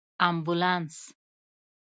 🚑 امبولانس